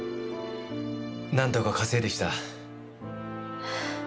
なんとか稼いできた。